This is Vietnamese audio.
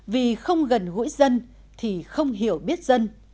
vì không gần gũi dân thì không hiểu biết dân